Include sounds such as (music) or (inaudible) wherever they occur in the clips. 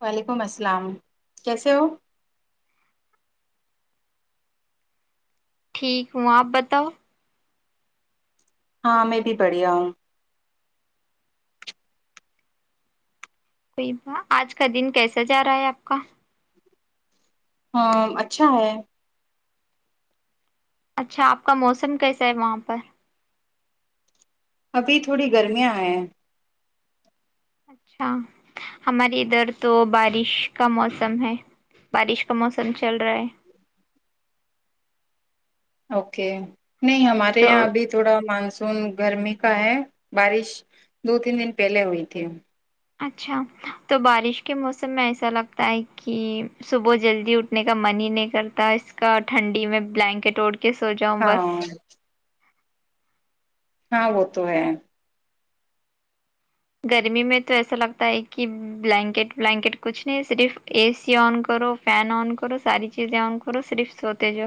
وعلیکم السلام کیسے ہو ٹھیک ہوں آپ بتاؤ ہاں میں بھی بڑھیا ہوں کوئی ب آج کا دن کیسا جا رہا ہے آپ ک ہاں اچھا ہے اچھا آپ کا موسم کیسا ہے وہاں پر ابھی تھوڑی گرمیاں آئے ہیں اچھا ہماریے ادھر تو بارش کا موسم ہے بارش کا موسم چل رہا ہے اوکے نہیں ہمارے تو یہاں ابھی تھوڑا م مسون گرمی کا ہے بارش دو تین دن پہلے ہوئی تھی اچھا تو بارش کے موسم میں ایسا لگتا ہے کہ صبح جلدی اٹھنے کا من ہی نہیں کرتا اس کا ٹھنڈی میں بلینکٹ اوٹ کے سو جاؤں ہاں بس ہاں وہ تو ہے گرمی میں تو ایسا لگتا ہے کہ بلینکٹ ولانکٹ کچھ نہیں صرف اے سی آن کرو فین آن کرو ساری چیزیں آن کرو صرف سوتے جا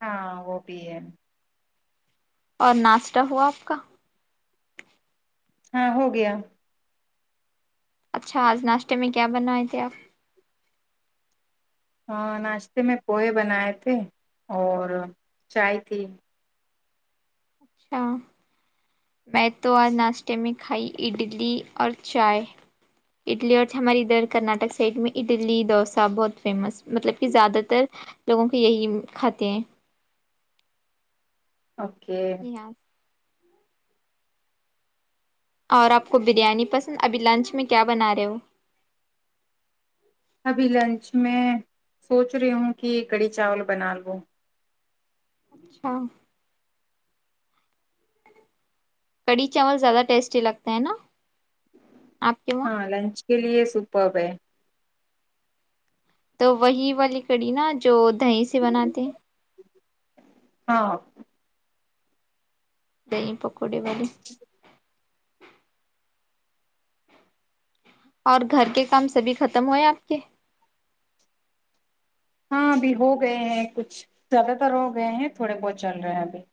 ہاں وہ بھی ہے اور ناشتہ ہوا آپ ک ہاں ہو گیا (unintelligible) اچھا آج ناشتے میں کیا بنائے تھے آپ ہاں ناشتے میں پوہ بنائے تھے اور چائے تھی اچھا میں تو آج ناسٹمک کھائی اڈلی اور چائے اڈلی اور ہمارے ادھر کرناٹک سائڈ میں اڈلی ڈوسا بہت فیمس مطلب کہ زیادہ تر لوگوں کو یہی کھاتے ہیں اوکے یہاں اور آپ کو بریانی پسند ابھی لنچ میں کیا بنا رہے ہو ابھی لنچ میں سوچ رہی ہوں کہ کڑی چاول بنا لو اچھا کڑھی چاول زیادہ ٹیسٹی لگتے ہیں نا آپ کے وہاں ہاں لنچ (unintelligible) کے لیے سوپب ہے تو وہی والی کڑی نا جو دی سے بناتے ہاں د پک کوڑی وال اور گھر کے کام سبھی ختم ہوئے آپ کے ہاں ابھی ہو گئے ہیں کچھ زیادہ تر ہو گئے ہیں تھوڑے بہت چل رہے ہیں ابھی (unintelligible)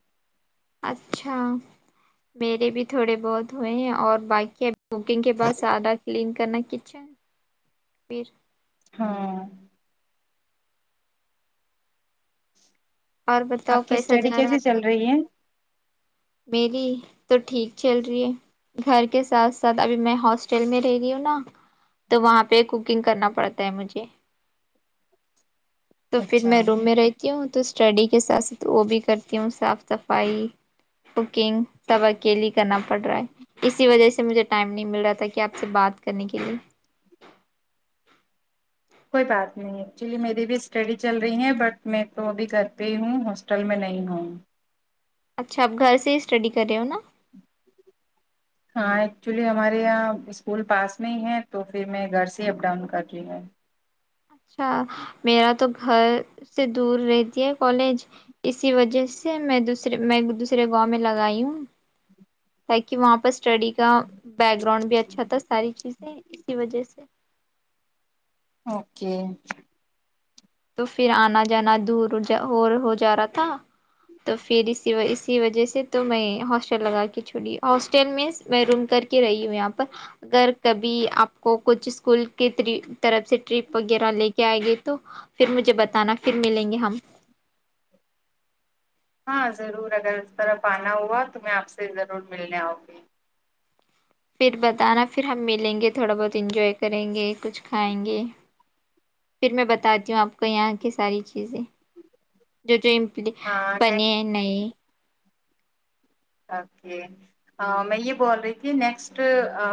اچھا میرے بھی تھوڑے بہت ہوئے ہیں اور باقی ابھی کوکنگ کے بعد سادہ کلنک کرنا کچھا پھر (unintelligible) ہاں (unintelligible) اور آپ بتاؤ کی کیسا اسٹڈی جا رہا ہے کیسی آپ چل کا دن رہی ہے (unintelligible) میری تو ٹھیک چل رہی ہے گھر کے ساتھ ساتھ ابھی میں ہاسٹل میں رہ رہی ہوں نا تو وہاں پہ کوکنگ کرنا پڑتا ہے مجھے تو پھر اچھا میں روم میں رہتی ہوں تو اسٹڈی کے ساتھ ساتھ وہ بھی کرتی ہوں صاف صفائی کوکنگ سب اکیلی کرنا پڑ رہا ہے اسی وجہ سے مجھے ٹائم نہیں مل رہا تھا کہ آپ سے بات کرنے کے لیے کوئی بات نہیں ایکچولی میری بھی اسٹڈی چل رہی ہے بٹ میں تو ابھی گھر پہ ہی ہوں ہاسٹل میں نہیں ہوں اچھا آپ گھر سے ہی اسٹڈی کر رہے ہو نا ہاں ایکچولی ہمارے یہاں اسکول پاس میں ہی ہے تو پھر میں گھر سے اپ ڈاؤن کر رہ ہے (unintelligible) اچھا میرا تو گھر سے دور رہتی ہے کالج اسی وجہ سے میں دوسرے میں دوسرے گاؤں میں لگئی ہوں تاکہ واپس اسٹڈی کا بیک گراؤنڈ بھی اچھا تھا ساری چیزیں اسی وجہ سے اوکے (unintelligible) تو پھر آنا جانا دور ہو جا رہا تھا تو پھر اسی اسی وجہ سے تو میں ہاسٹل لگا کے چھوڑی ہاسٹل میں میں روم کر کے رہی ہوں یہاں پر اگر کبھی آپ کو کچھ اسکول کے طرف سے ٹرپ وغیرہ لے کے آئے گئی تو پھر مجھے بتانا پھر ملیں گے ہم ہاں ضرور اگر اس طرف آنا ہوا تو میں آپ سے ضرور ملنے آؤں گی پھر بتانا پھر ہم ملیں گے تھوڑا بہت انجوائے کریں گے کچھ کھائیں گے پھر میں بتاتی ہوں آپ کو یہاں کس ساری چیزیں جو جوم ہاں بنے ہیں ن اوکے میں یہ بول رہی تھی نیکسٹ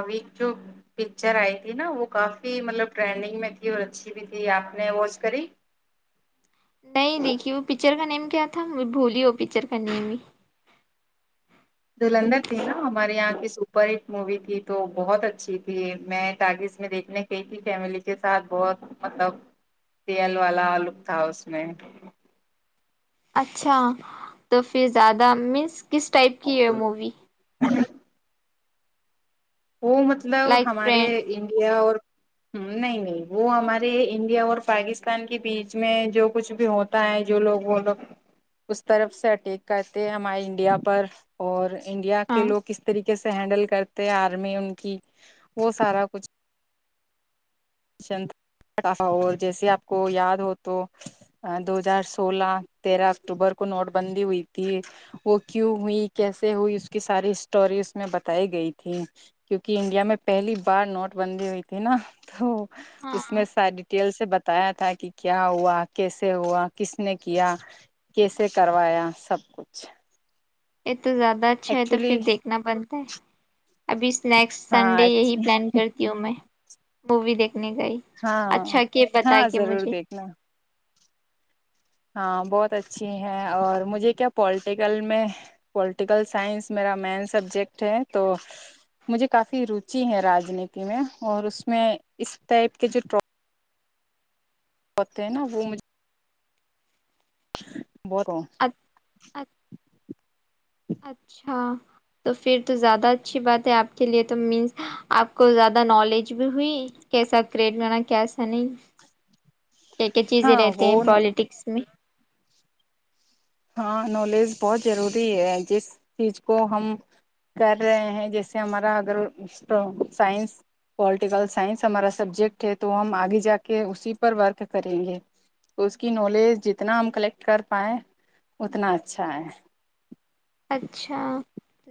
ویک جو پکچر آئی تھی نا وہ کافی مطلب ٹرینڈنگ میں تھی اور اچھی بھی تھی آپ نے واچ کری نہیں دیکھی وہ پکچر کا نیم کیا تھا بھولی ہو پکچر کا نیم ہی دلندر تھی نا ہمارے یہاں کی سپر ہٹ مووی تھی تو بہت اچھی تھی میں ٹگز میں دیکھنے گئی تھی فیملی کے ساتھ بہت مطلب سیئل والا لک تھا اس میں اچھا تو پھر زیادہ مینس کس ٹائپ کی ہے مووی وہ مطلب لائک ہمارے فرینڈ انڈیا اور نہیں نہیں وہ ہمارے انڈیا اور پاکستان کے بیچ میں جو کچھ بھی ہوتا ہے جو لوگ وہ لوگ اس طرف سے اٹیک کرتے ہیں ہمارے انڈیا پر اور انڈیا کے ہاں لوگ کس طریقے سے ہینڈل کرتے ہیں آپ گ میں ان کی وہ سارا کچھ چٹاا اور جیسے آپ کو یاد ہو تو دو ہزار سولہ تیرہ اکتوبر کو نوٹ بندی ہوئی تھی وہ کیوں ہوئی کیسے ہوئی اس کی ساری ہٹوری اس میں بتائی گئی تھی کیونکہ انڈیا میں پہلی بار نوٹ بندی ہوئی تھی نا تو اس ہاں میں ساری ڈیٹیل سے ب بتایا تھا کہ کیا ہوا کیسے ہوا کس نے کیا کیسے کروایا سب کچھ یہ تو زیادہ اچھا ہے تو ایکچولی پھر دیکھنا بنتا ہے ابھی اسنیکسٹ سنڈے ہاں یہی پلان کرتی ہوں میں مووی دیکھ نے گئی ہاں اچھا کہ بتا ہاں کے ضرور مجھے دیکھنا ہاں بہت اچھی ہے اور مجھے کیا پولٹیکل میں پولٹیکل سائنس میرا مین سبجیکٹ ہے تو مجھے کافی روچی ہے راجنیتی میں اور اس میں اس ٹائپ کے جوٹر ہوتے ہیں نا وہ مج جھ بڑ اچھا تو پھر تو زیادہ اچھی بات ہے آپ کے لیے تو مینس آپ کو زیادہ نالج بھی ہوئی کیساتھ کریٹ میںنا کیسا نہیں کیا کیا چیزیں ہاں رہتی ہیں وہ پالیٹکس میں ہاں نالج بہت ضروری ہے جس چیز کو ہم کر رہے ہیں جیسے ہمارا اگر سائنس پولیٹیکل سائنس ہمارا سبجیکٹ ہے تو ہم آگے جا کے اسی پر ورک کریں گے اس کی نالج جتنا ہم کلیکٹ کر پائیں اتنا اچھا ہے اچھا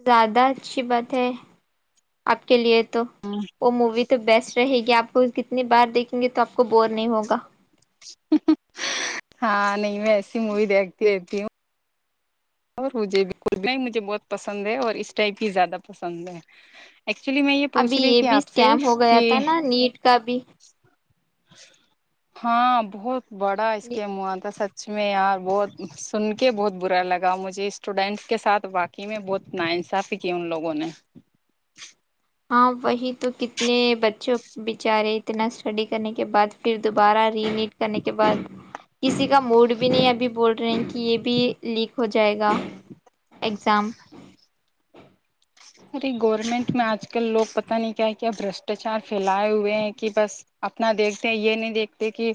زیادہ اچھی بات ہے آپ کے لیے تو وہ مووی تو بیسٹ رہے گی آپ کو اس کی انی باہر دیکیں گے تو آپ کو بور نہیں ہوگا ہاں نہیں میں ایسی موی دیکتی رہتی ہوں اور مجھے کنا ہی مجھے بہت پسند ہے اور اس ٹائپ ہی زیادہ پسند ہے ایکچولی میں یہ پوچھ ابھی رہی یہ تھی بھی آپ سے اسکیم ہو گیا کہ تھا نا نیٹ کا بھی ہاں بہت بڑا اسکیم ہوا تھا سچ سچ میں ار بہت سن کے بہت برا لگا مجھے اسٹوڈینٹس کے ساتھ باقی میں بہت نا انصافی کی ان لوگوں نے ہاں وہی تو کتنے بچوں بچارے اتنا اسٹڈی کرنے کے بعد پھر دوبارہ ری ریڈ کرنے کے بعد کسی کا موڈ بھی نہیں ابھی بول رہے ہیں کہ یہ بھی لیک ہو جائے گا ایگزام ارے گورنمنٹ میں آج کل لوگ پتہ نہیں کیا ہے کیاب بشٹاچار پھیلائے ہوئے ہیں کہ بس اپنا دیکھتے ہیں یہ نہیں دیکھتے کہ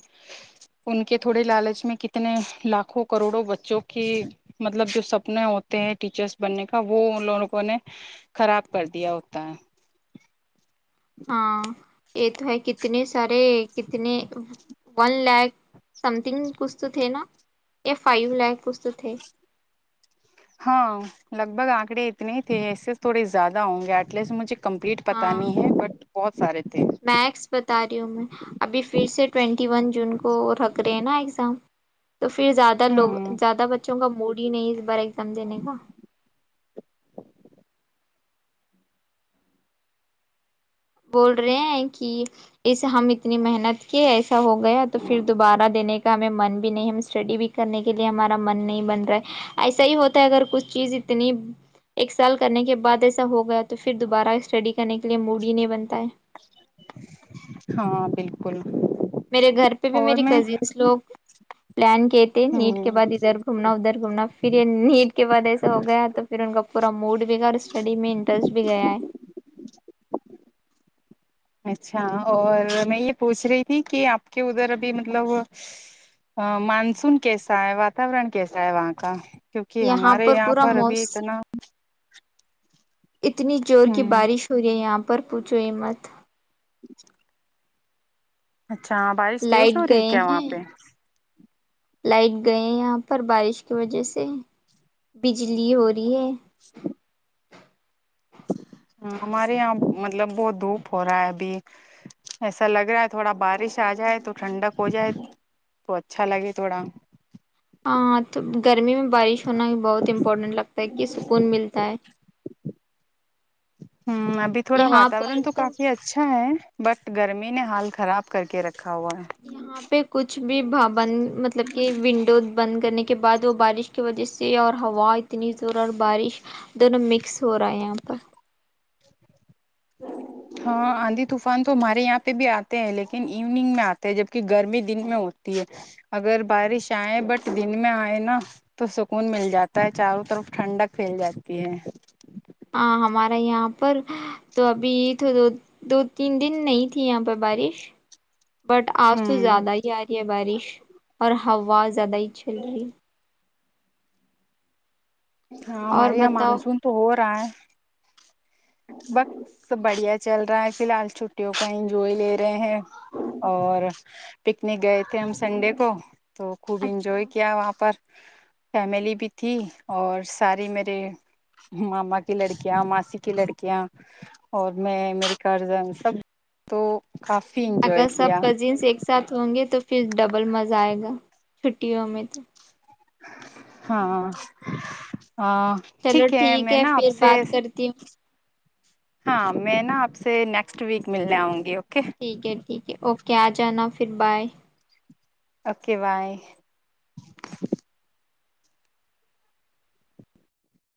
ان کے تھوڑے لالچ میں کتنے لاکھوں کروڑوں بچوں کی مطلب جو سپنے ہوتے ہیں ٹیچرس بننے کا وہ ان لوگوں نے خراب کر دیا ہوتا ہے ہاں یہ تھے کتنے سارے کتنے ون لیک سم تھنگ کچھ تو تھے نا یہ فائ بلیک کچھ تو تھے ہاں لگ بھگ آنکڑے اتنے تھے ایسے تھوڑے زیادہ ہوں گے ایٹ لیسٹ مجھے کمپلیٹ پتہ ہاں نہیں ہے بٹ بہت سارے تھے میکس بتا رہی ہوں میں ابھی پھر سے ٹوینٹی ون جن کو رکھ رہے ہیں نا ایگزام تو پھر زیادہ لوگ ہوں زیادہ بچوں کا موڈی نہیں اس بار ایگزام دینے کا بول رہے ہیں کہ اس ہم اتنی محنت کے ایسا ہو گیا تو پھر دوبارہ دینے کا ہمیں من بھی نہیں ہم اسٹڈی بھی کرنے کے لیے ہمارا من نہیں بن رہا ہے ایسا ہی ہوتا ہے اگر کچھ چیز اتنی ایک سال کرنے کے بعد ایسا ہو گیا تو پھر دوبارہ اسٹڈی کرنے کے لیے موڑی نے بنتا ہے ہاں بالکل میرے گھر پہ بھی اور میری میں کزنس لوگ پلان کہتے نیٹ ہ کے بعد ادھر گھومنا ادھر گھومنا پھر یہ نیٹ کے بعد ایسا ہو گیا تو پھر ان کا پورا موڈ بھی بگڑ اسٹڈی میں انٹرسٹ بھی گیا ہے اچھا اور میں یہ پوچھ رہی تھی کہ آپ کے ادھر ابھی مطلب مانسون کیسا ہے واتورن کیسا ہے وہاں کا کیوںکہ ہمارے یہاں پر ابھی اتنا اتنی زور کی ہوں بارش ہو رہی ہے یہاں پر پوچھو یہ مت اچھا ہاں بارش تیز ہو لائٹ رہی ہے گئے کیا وہاں ہیں پہ لائٹ گئے ہیں یہاں پر بارش کی وجہ سے بجلی ہو بی ہے ہ ہمارے یہ مطلب بہت دھوپ ہو رہا ہے ابھی ایسا لگ رہا ہے تھوڑا بارش آ جائے تو ٹھنڈک ہو جائے تو اچھا لگے تھوڑا ہاں تو گرمی میں بارش ہونا بہت امپورٹینٹ لگتا ہے کہ سکون ملتا ہے ہوں ابھی تھوڑا یہاں پر وااتورن تو کافی اچھا ہے بٹ گرمی نے حال خراب کر کے رکھ یہاں پہ کچھ بھی بند مطلب کہ ونڈو بند کرنے کی (unintelligible) کے بعد وہ بارش کی وجہ سے اور ہوا اتنی زور اور بارش دونوں مکس ہو رہا ہے یہاں پر ہاں آندھی طوفان تو ہمارے یہاں پہ بھی آتے ہیں لیکن ایوننگ میں آتے ہیں جبک گرمی دن میں ہوتی ہے اگر بارش آئے بٹ دن میں آئے نا تو سکون مل جاتا ہے چاروں طرف ٹھنڈک پھیل جاتی ہے ہاں ہمارا یہاں پر تو ابھی تو دو دو تین دن نہیں تھی یہاں پہ بارش بٹ آج تو ہوں زیادہ ہی آ رہی ہے بارش (unintelligible) اور ہووا (unintelligible) زیادہ ہی چل رہی ہے ہاں اور ہمارے یہاں بتاؤ مانسون تو ہو رہا ہے (inaudible) بس بڑھیا چل رہا ہے فی الحال چھٹیوں کا انجوائے لے رہے ہیں اور پکنک گئے تھے ہم سنڈے کو تو خوب انجوائے اچھا کیا وہاں پر فیملی بھی تھی اور ساری میرے ماما کی لڑکیاں ماسی کی لڑکیا کیا اور میں میری گارجن سب تو کافی انجوائے اگر سب کیا کزنس ایک ساتھ ہوں گے تو پھر ڈبل مزہ آئے گا چھٹیوں میں تو ہاں (inaudible) چلو ٹھیک میں ہے نا آپ پھر بات سے کرتی ہوں ہاں میں نا آپ سے نیکسٹ ویک ملنے آؤں گی اوکے ٹھیک ہے ٹھیک ہے اوکے کیا آ جانا پھر بائے اوکے بائے